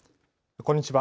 こんにちは。